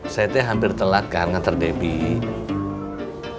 saya itu hampir telat kan nganter debbie